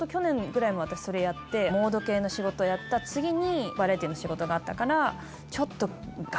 モード系の仕事やった次にバラエティーの仕事があったからちょっと。